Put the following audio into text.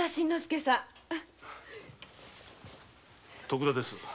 徳田です。